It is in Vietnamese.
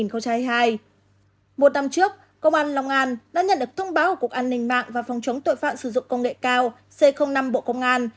một năm trước công an long an đã nhận được thông báo của cục an ninh mạng và phòng chống tội phạm sử dụng công nghệ cao c năm bộ công an